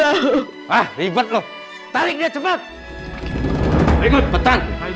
ah ribet loh tarik cepat ikut petang